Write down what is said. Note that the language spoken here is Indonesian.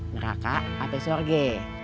neraka atau sorge